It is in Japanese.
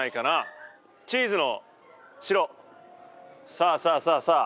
さあさあさあさあ。